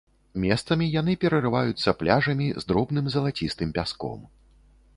Месцамі яны перарываюцца пляжамі з дробным залацістым пяском.